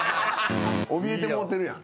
おびえてもうてるやん。